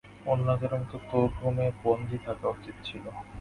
অন্যদের মতো তোর ও রুমে বন্দী থাকা উচিত ছিল।